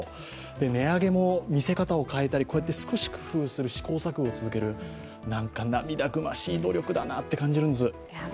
値上げも見せ方を変えたり少し変える試行錯誤をする、涙ぐましい努力だなと感じるんです。